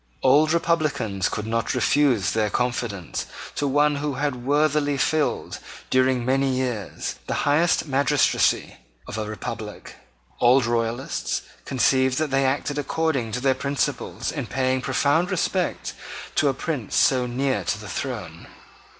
Old republicans could not refuse their confidence to one who had worthily filled, during many years, the highest magistracy of a republic. Old royalists conceived that they acted according to their principles in paying profound respect to a prince so near to the throne.